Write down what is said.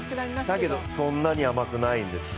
だけどそんなに甘くないです。